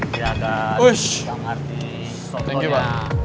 dia akan yang arti soalnya